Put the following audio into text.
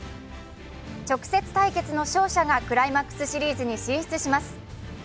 直接対決の勝者がクライマックスシリーズに進出します。